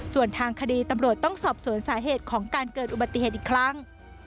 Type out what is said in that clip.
ส่วนทางคดีตำรวจต้องสอบสวนสาเหตุของการเกิดอุบัติเหตุอีกครั้ง